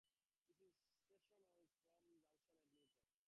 The station is from the junction at Newton.